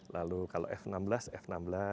lalu kalau f enam belas f enam belas